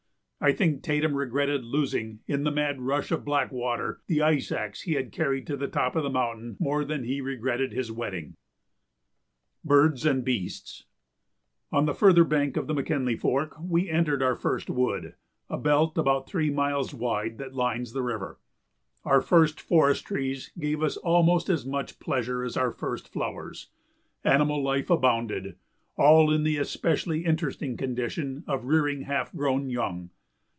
I think Tatum regretted losing, in the mad rush of black water, the ice axe he had carried to the top of the mountain more than he regretted his wetting. [Sidenote: Birds and Beasts] On the further bank of the McKinley Fork we entered our first wood, a belt about three miles wide that lines the river. Our first forest trees gave us almost as much pleasure as our first flowers. Animal life abounded, all in the especially interesting condition of rearing half grown young.